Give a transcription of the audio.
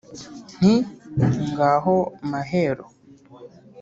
nti: “ngaho mahero